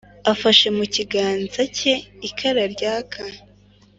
afashe mu kiganza cye ikara ryaka,